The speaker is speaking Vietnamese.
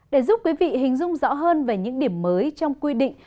để giúp quý vị hình dung rõ hơn về những điểm mới trong quy định